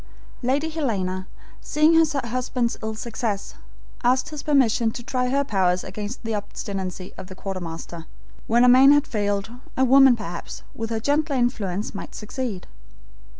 Lady Helena, seeing her husband's ill success, asked his permission to try her powers against the obstinacy of the quartermaster. When a man had failed, a woman perhaps, with her gentler influence, might succeed.